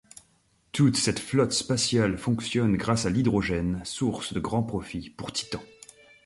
Toute cette flotte spatiale fonctionne grâce à l’hydrogène, source de grands profits pour Titan.